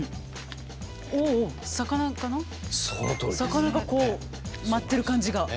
魚がこう舞ってる感じが。